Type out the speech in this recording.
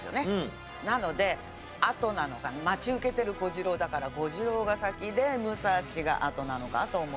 なのであとなのが待ち受けてる小次郎だから小次郎が先で武蔵があとなのかなと思ったんですが。